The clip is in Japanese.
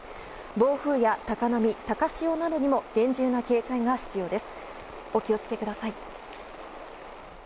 暴風や高波、高潮などにも厳重な警戒が必要です。